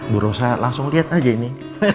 bu rosa langsung lihat aja ini